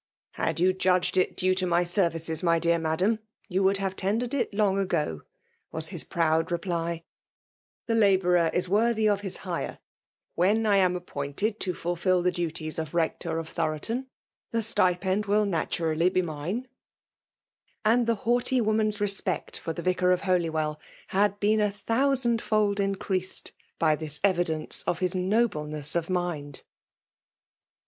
" Had you judge4. it due to my services^ my dear M{m1s^» ypu would have tendered it long ago/' was his proud reply. " The labourer is worthy of his hire. When I am appointed to ft^lfil the duties of rector of Thoroton* the stipend wUl 110 FItVALE DOMIKATfOK. aaetuaraUy he mme. Asd Use haaglity wm man'fi retipect for the Ticar of Holytrell had been a thousa&d fdd mcreaeed by this eTi^ deiioe of his nobleness of mmd.